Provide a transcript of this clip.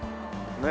ねえ。